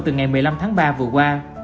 từ ngày một mươi năm tháng ba vừa qua